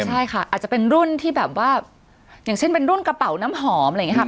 ใช่ค่ะอาจจะเป็นรุ่นที่แบบว่าอย่างเช่นเป็นรุ่นกระเป๋าน้ำหอมอะไรอย่างนี้ค่ะ